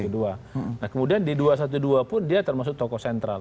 nah kemudian di dua ratus dua belas pun dia termasuk tokoh sentral